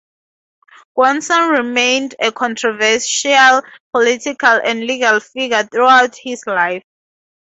Gaunson remained a controversial political and legal figure throughout his life.